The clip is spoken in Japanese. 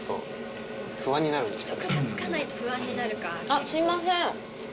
あっすいません。